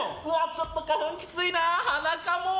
ちょっと花粉きついな鼻かもう。